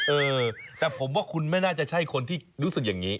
เออแต่ผมว่าคุณไม่น่าจะใช่คนที่รู้สึกอย่างนี้